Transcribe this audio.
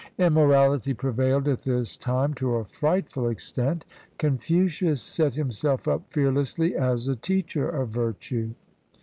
Immorality prevailed at this time to a frightful extent. Confucius set himself up fearlessly as a teacher of virtue.